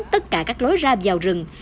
tất cả các lối ra vào rừng